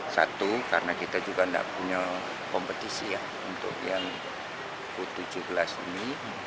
satu karena kita juga tidak punya kompetisi ya untuk yang u tujuh belas ini